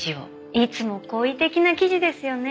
いつも好意的な記事ですよね。